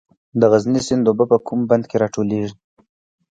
د غزني سیند اوبه په کوم بند کې راټولیږي؟